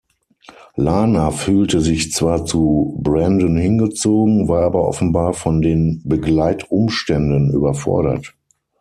Lana fühlte sich zwar zu Brandon hingezogen, war aber offenbar von den Begleitumständen überfordert.